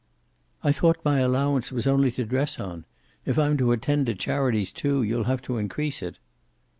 "I thought my allowance was only to dress on. If I'm to attend to charities, too, you'll have to increase it."